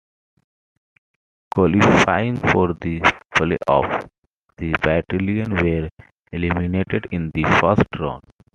Qualifying for the playoffs, the Battalion were eliminated in the first round.